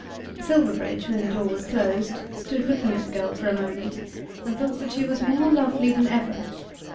Silverbridge, when the door was closed, stood looking at the girl for a moment and thought that she was more lovely than ever.